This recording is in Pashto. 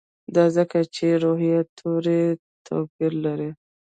دا ځکه چې د روي توري یې توپیر لري.